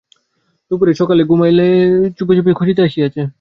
দুপুরে সকলে ঘুমাইলে চুপিচুপি খুঁজিতে আসিয়াছে।